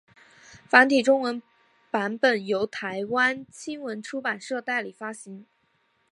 繁体中文版本由台湾青文出版社代理发行。